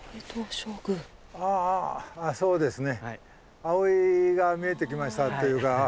ああそうですね。